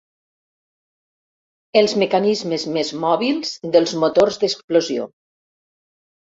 Els mecanismes més mòbils dels motors d'explosió.